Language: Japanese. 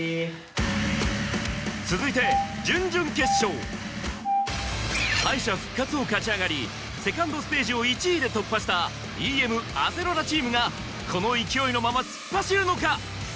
続いて敗者復活を勝ち上がり２ｎｄステージを１位で突破したＥＭ・あせろらチームがこの勢いのまま突っ走るのか？